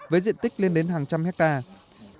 với diện tích lên đến hàng trăm hectare